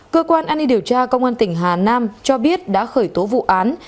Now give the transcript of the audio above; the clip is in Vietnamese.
cơ quan an ninh điều tra công an tỉnh hà nam cho biết đã khởi tố vụ án